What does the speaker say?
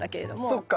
そっか。